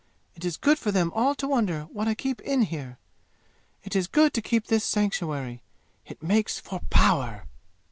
It is good for them all to wonder what I keep in here! It is good to keep this sanctuary; it makes for power!"